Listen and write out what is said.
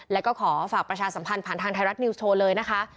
แล้วก็ขอฝากประชาสัมพันธ์ผ่านทางไทยรัฐนิวส์โชว์เลยนะคะ